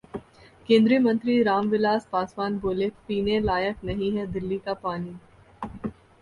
केंद्रीय मंत्री राम विलास पासवान बोले- पीने लायक नहीं है दिल्ली का पानी